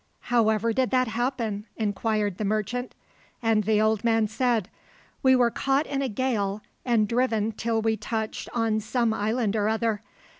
'" "However did that happen?" inquired the merchant. And the old man said, "We were caught in a gale and driven till we touched on some island or other.